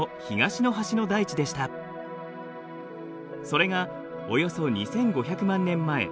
それがおよそ２，５００万年前